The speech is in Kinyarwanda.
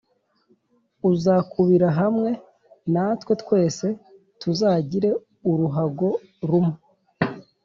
uzakubira hamwe natwe, twese tuzagire uruhago rumwe”